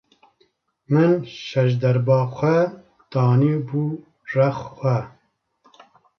Min şejderba xwe danî bû rex xwe.